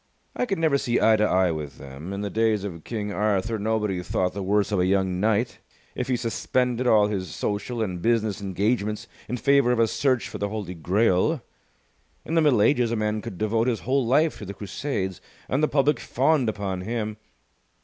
I could never see eye to eye with them. In the days of King Arthur nobody thought the worse of a young knight if he suspended all his social and business engagements in favour of a search for the Holy Grail. In the Middle Ages a man could devote his whole life to the Crusades, and the public fawned upon him.